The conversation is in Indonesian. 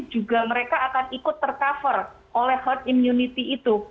juga mereka akan ikut ter cover oleh herd immunity